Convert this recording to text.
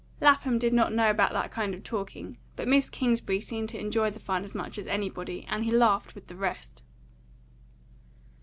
Lapham did not know about that kind of talking; but Miss Kingsbury seemed to enjoy the fun as much as anybody, and he laughed with the rest.